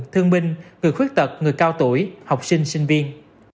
thương binh người khuyết tật người cao tuổi học sinh sinh viên